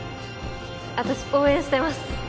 私応援してます